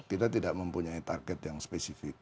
kita tidak mempunyai target yang spesifik